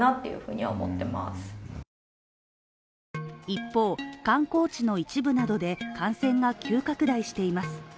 一方、観光地の一部などで感染が急拡大しています。